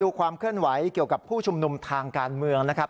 ความเคลื่อนไหวเกี่ยวกับผู้ชุมนุมทางการเมืองนะครับ